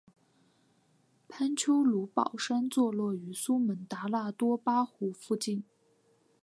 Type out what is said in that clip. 潘丘卢保山坐落于苏门答腊多巴湖附近。